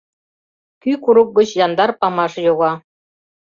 Кӱ курык гыч яндар памаш йога.